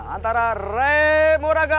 antara remoraga dan raya